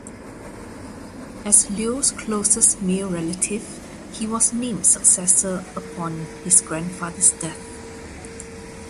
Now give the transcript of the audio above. As Leo's closest male relative, he was named successor upon his grandfather's death.